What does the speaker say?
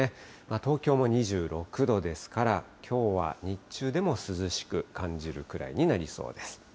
東京も２６度ですから、きょうは日中でも涼しく感じるくらいになりそうです。